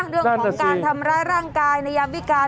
เรื่องของการทำร้ายร่างกายในยามวิการ